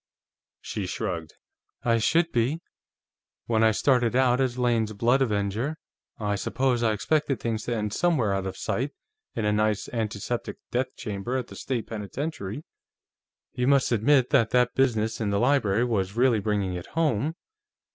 She shrugged. "I should be. When I started out as Lane's blood avenger, I suppose I expected things to end somewhere out of sight, in a nice, antiseptic death chamber at the state penitentiary. You must admit that that business in the library was really bringing it home.